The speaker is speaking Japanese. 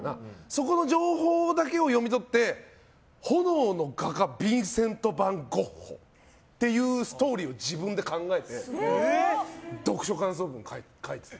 そこの情報だけを読み取って炎の画家ヴィンセント・ヴァン・ゴッホっていうストーリーを自分で考えて読書感想文を書いて。